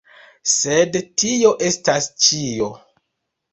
Sed tio estas ĉio.